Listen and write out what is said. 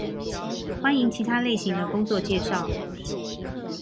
歡迎其他類型的工作介紹